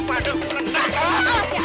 cari kesempatan lo ya